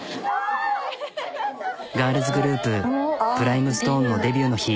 ガールズグループＰｒｉｍｅＳｔｏｎｅのデビューの日。